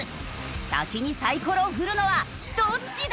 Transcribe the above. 先にサイコロを振るのはどっちだ？